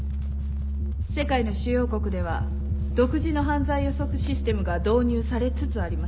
世界の主要国では独自の犯罪予測システムが導入されつつあります。